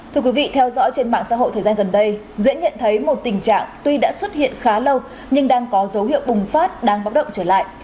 thưa quý vị theo dõi trên mạng xã hội thời gian gần đây dễ nhận thấy một tình trạng tuy đã xuất hiện khá lâu nhưng đang có dấu hiệu bùng phát đang bắt động trở lại